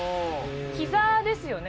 ひざですよね？